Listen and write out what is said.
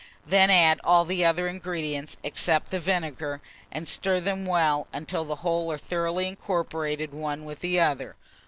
Then add all the other ingredients, except the vinegar, and stir them well until the whole are thoroughly incorporated one with the other.